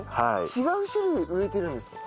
違う種類植えてるんですか？